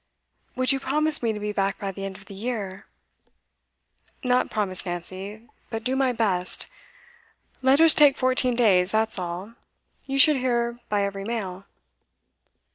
'Would you promise me to be back by the end of the year?' 'Not promise, Nancy. But do my best. Letters take fourteen days, that's all. You should hear by every mail.